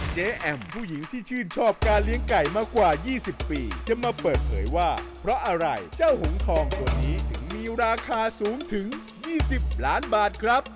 แอมผู้หญิงที่ชื่นชอบการเลี้ยงไก่มากว่า๒๐ปีจะมาเปิดเผยว่าเพราะอะไรเจ้าหงทองตัวนี้ถึงมีราคาสูงถึง๒๐ล้านบาทครับ